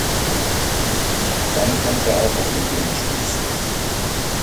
Dann kommt er auch auf den Dönerspieß.